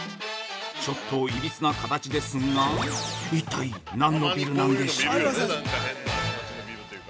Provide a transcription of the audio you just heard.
ちょっといびつな形ですが一体何のビルなんでしょう。